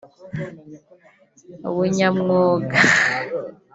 ubunyamwuga